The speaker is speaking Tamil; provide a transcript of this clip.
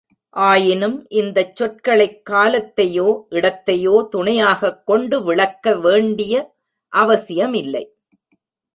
ஆயினும், இந்தச் சொற்களைக் காலத்தையோ, இடத்தையோ துணையாகக் கொண்டு விளக்க வேண்டிய அவசியமில்லை.